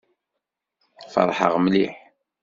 Feṛḥeɣ mliḥ.